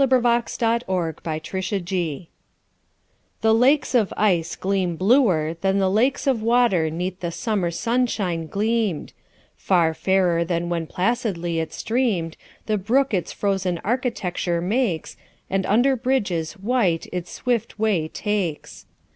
Helen Hunt Jackson December THE lakes of ice gleam bluer than the lakes Of water 'neath the summer sunshine gleamed: Far fairer than when placidly it streamed, The brook its frozen architecture makes, And under bridges white its swift way takes.